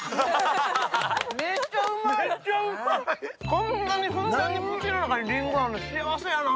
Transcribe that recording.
こんなにふんだんに口の中にりんごがあるの、幸せやな！